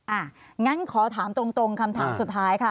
อ่ะงั้นขอถามตรงคำถามสุดท้ายค่ะ